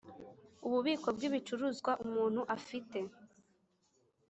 ububiko bw ibicuruzwa umuntu afite